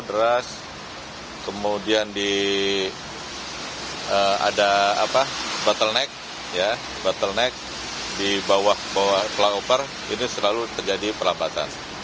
terus kemudian ada bottleneck di bawah kelaoper ini selalu terjadi perlambatan